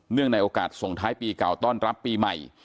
ในโอกาสส่งท้ายปีเก่าต้อนรับปีใหม่